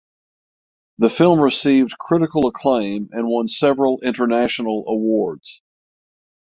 The film received critical acclaim and won several international awards.